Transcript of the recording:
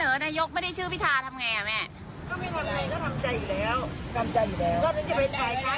ภรรยากภาคบอกไว้ว่าให้ขอรบเสียงมันติศาสตร์ชนิดหน้าชน